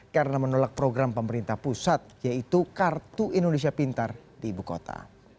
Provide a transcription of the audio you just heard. karena menolak program pemerintah pusat yaitu kartu indonesia pintar di ibu kota